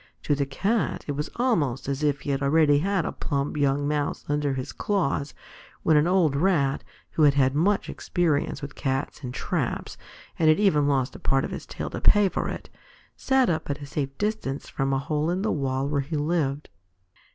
To the Cat it was almost as if he already had a plump young Mouse under his claws, when an old Rat, who had had much experience with Cats and traps, and had even lost a part of his tail to pay for it, sat up at a safe distance from a hole in the wall where he lived.